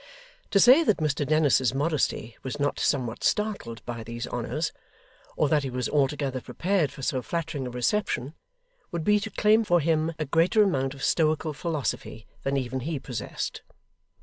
To say that Mr Dennis's modesty was not somewhat startled by these honours, or that he was altogether prepared for so flattering a reception, would be to claim for him a greater amount of stoical philosophy than even he possessed.